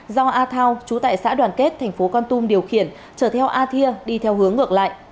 do a thao trú tại xã đoàn kết thành phố con tum điều khiển chở theo a thia đi theo hướng ngược lại